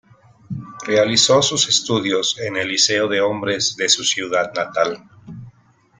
Realizó sus estudios en el Liceo de Hombres de su ciudad natal.